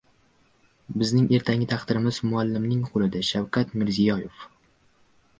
Bizning ertangi taqdirimiz-muallimning qo‘lida- Shavkat Mirziyoyev